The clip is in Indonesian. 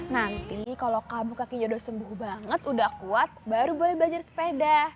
nanti kalau kabu kakinya udah sembuh banget udah kuat baru boleh belajar sepeda